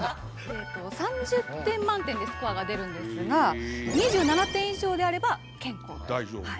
３０点満点でスコアが出るんですが２７点以上であれば健康ということです。